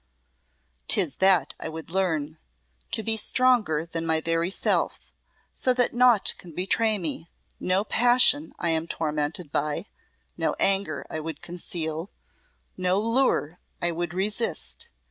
"'Tis that I would learn: to be stronger than my very self, so that naught can betray me no passion I am tormented by, no anger I would conceal, no lure I would resist.